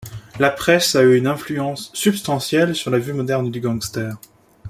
La presse a eu une influence substantielle sur la vue moderne du gangster.